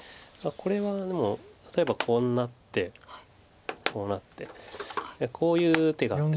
これはでも例えばこうなってこうなってこういう手があってですね。